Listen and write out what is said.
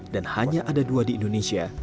dan hanya ada dua di indonesia